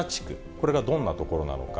これがどんな所なのか。